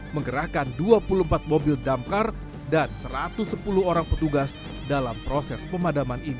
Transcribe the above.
menggerakkan dua puluh empat mobil damkar dan satu ratus sepuluh orang petugas dalam proses pemadaman